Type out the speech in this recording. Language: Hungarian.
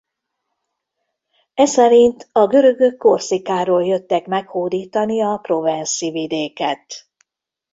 Eszerint a görögök Korzikáról jöttek meghódítani a provence-i vidéket.